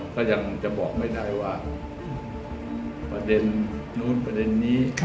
ก็ยังจะบอกไม่ได้ว่าประเด็นนู้นประเด็นนี้